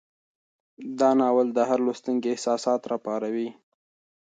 دا ناول د هر لوستونکي احساسات راپاروي.